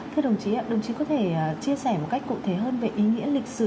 thưa đồng chí đồng chí có thể chia sẻ một cách cụ thể hơn về ý nghĩa lịch sử